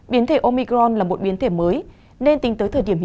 biến thể omicron là một biến thể mới nên tính tới thời điểm hiện